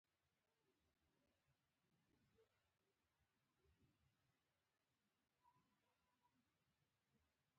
انګړ کې ونې دي